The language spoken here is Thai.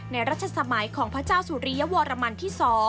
รัชสมัยของพระเจ้าสุริยวรมันที่๒